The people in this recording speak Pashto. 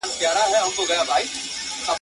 ساقي وه را بللي رقیبان څه به کوو؟!